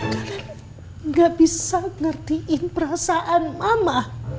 kalian gak bisa ngertiin perasaan mama